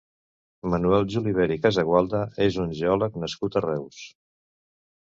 Manuel Julivert i Casagualda és un geòleg nascut a Reus.